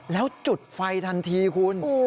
แล้วจุดไฟทันทีคุณ